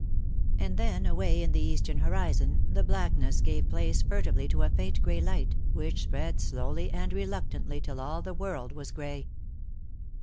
And then away in the eastern horizon, the blackness gave place furtively to a faint grey light, which spread slowly and reluctantly till all the world was grey.